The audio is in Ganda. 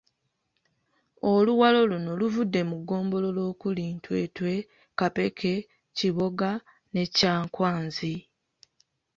Oluwalo luno luvudde mu ggombolola okuli; Ntwetwe, Kapeke, Kiboga ne Kyankwanzi.